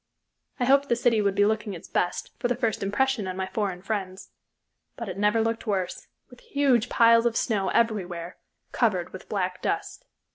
I hoped the city would be looking its best, for the first impression on my foreign friends, but it never looked worse, with huge piles of snow everywhere covered with black dust.